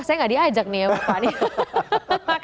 wah saya nggak diajak nih ya pak